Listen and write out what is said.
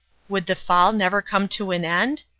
Would the fall never come to an end?